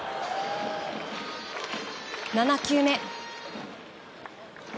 ７球目。